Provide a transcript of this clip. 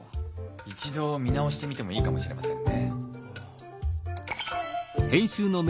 一度見直してみてもいいかもしれませんね。